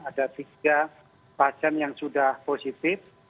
ada tiga pasien yang sudah positif